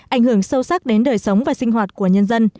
ảnh hưởng sâu sắc đến đời sống và sinh hoạt của nhân dân